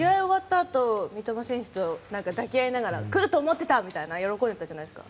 あと三笘選手と抱き合いながら来ると思ってたって喜んでたじゃないですか。